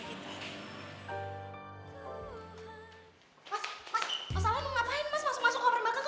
mas mas mas alan mau ngapain mas masuk masuk ke rumah kakek